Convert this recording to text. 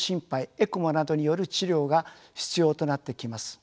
エクモなどによる治療が必要となってきます。